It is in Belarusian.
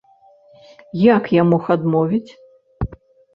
Як я мог адмовіць?